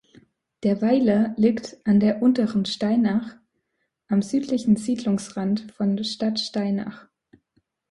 Der Weiler liegt an der Unteren Steinach am südlichen Siedlungsrand von Stadtsteinach.